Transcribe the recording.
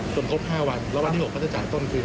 ครบ๕วันแล้ววันที่๖เขาจะจ่ายต้นคืน